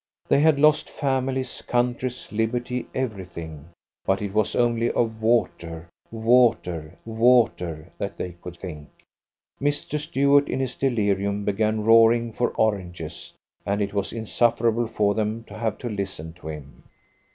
They had lost families, countries, liberty, everything, but it was only of water, water, water, that they could think. Mr. Stuart in his delirium began roaring for oranges, and it was insufferable for them to have to listen to him.